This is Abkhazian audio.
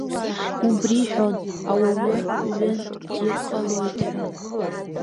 Убри иҳәон, ауаҩы ҩынтә дир ҟалоит ҳәа.